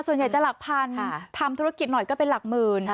ส่วนใหญ่จะหลักพันทำธุรกิจหน่อยก็เป็นหลักหมื่น